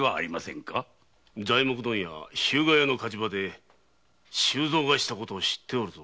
材木問屋・日向屋の火事場で周蔵がしたことを知っておるぞ。